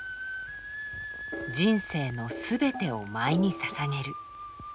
人生の全てを舞に捧げる。